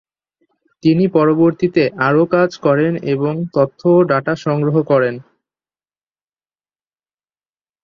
তিনি পরবর্তিতে আরও কাজ করেন এবং তথ্য ও ডাটা সংগ্রহ করেন।